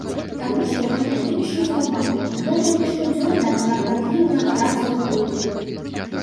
Таму што гэта іншы фармат, гэта не штодзённая карпатлівая праца ў клубе.